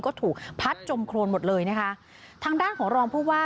ก็ถูกพัดจมโครนหมดเลยนะคะทางด้านของรองผู้ว่า